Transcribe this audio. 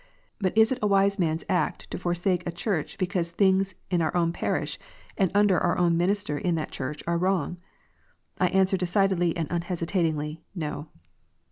But is it a wise man s act to forsake a Church because things in our own parish, and under our own minister in that Church, are wrong 1 I answer decidedly and unhesitatingly, No